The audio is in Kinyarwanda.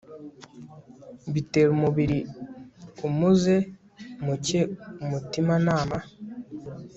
bitera umubiri umuze muke umutimanama